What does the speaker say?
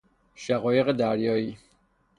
شقایق دریائی